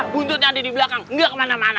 buntutnya ada di belakang enggak kemana mana